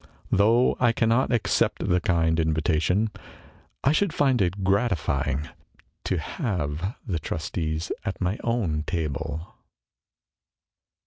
Though I cannot accept the kind invitation, I should find it gratifying to have the trustees at my own table.